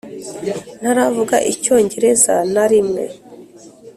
Ntaravuga Icyongereza na rimwe